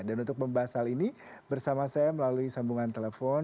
dan untuk membahas hal ini bersama saya melalui sambungan telepon